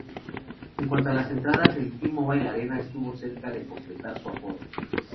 En cuanto a las entradas, el T-Mobile Arena estuvo cerca de completar su aforo.